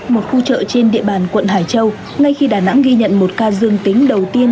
một khu chợ trên địa bàn quận hải châu ngay khi đà nẵng ghi nhận một ca dương tính đầu tiên